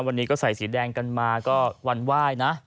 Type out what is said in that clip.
วันนี้ก็ใส่สีแดงกันมาก็วันไหว้นะ